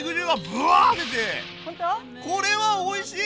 これはおいしい！